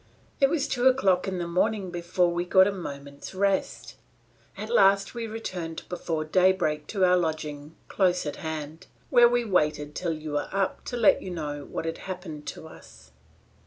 It was two o'clock in the morning before we got a moment's rest. At last we returned before daybreak to our lodging close at hand, where we waited till you were up to let you know what had happened to us."